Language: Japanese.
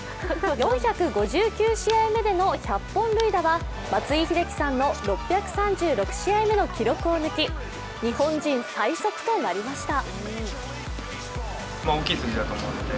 ４５９試合目での１００本塁打は松井秀喜さんの６３６試合目の記録を抜き日本人最速となりました。